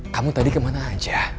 kamu tadi kemana aja